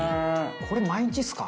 「これ毎日ですか？」